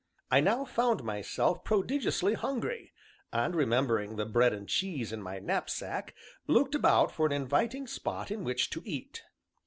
I now found myself prodigiously hungry, and remembering the bread and cheese in my knapsack, looked about for an inviting spot in which to eat.